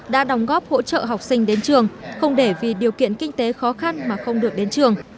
đã đóng góp hỗ trợ học sinh đến trường không để vì điều kiện kinh tế khó khăn mà không được đến trường